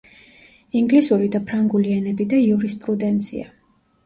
ინგლისური და ფრანგული ენები და იურისპრუდენცია.